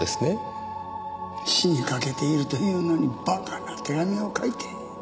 死にかけているというのに馬鹿な手紙を書いて。